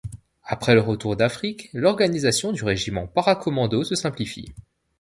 Après le retour d'Afrique, l'organisation du régiment Para-Commando se simplifie.